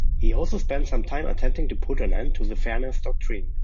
He also spent some time attempting to put an end to the Fairness Doctrine.